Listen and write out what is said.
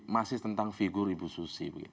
masih tentang figur ibu susi